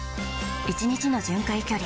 １日の巡回距離